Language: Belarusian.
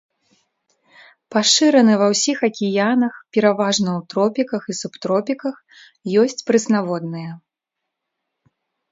Пашыраны ва ўсіх акіянах, пераважна ў тропіках і субтропіках, ёсць прэснаводныя.